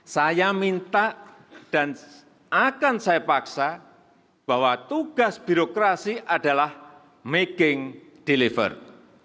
saya minta dan akan saya paksa bahwa tugas birokrasi adalah making deliver